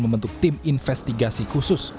membentuk tim investigasi khusus